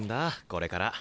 これから。